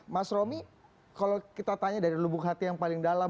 mas romi kalau kita tanya dari lubuk hati yang paling dalam